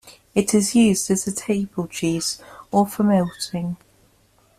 It is used as a table cheese or for melting.